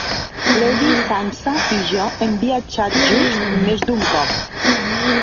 Lady Sansa i jo hem viatjat junts més d'un cop.